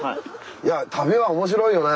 いや旅は面白いよね。